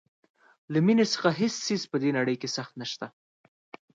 له مینې څخه هیڅ څیز په دې نړۍ کې سخت نشته.